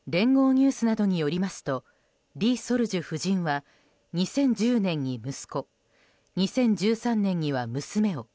ニュースなどによりますとリ・ソルジュ夫人は２０１０年に息子２０１３年には娘を。